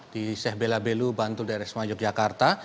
di seh belabelu bantul daerah sumayog yogyakarta